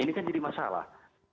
ini kan jadi masalah